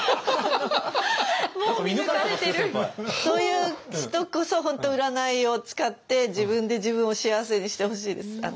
そういう人こそ本当占いをつかって自分で自分を幸せにしてほしいです。